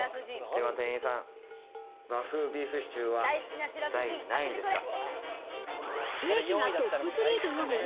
では店員さん、和風ビーフシチューは第何位ですか？